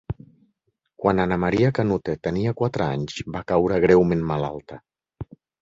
Quan Anna Maria Canute tenia quatre anys va caure greument malalta.